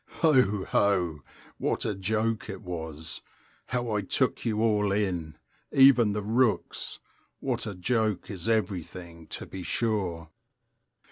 Ho, ho! what a joke it was! How I took you all in! Even the rooks! What a joke is everything, to be sure!